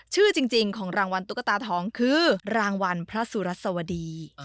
ชื่อจริงของรางวัลตุ๊กตาทองคือรางวัลพระสุรัสวดี